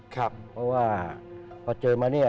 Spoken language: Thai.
เพราะว่าพอเจอมา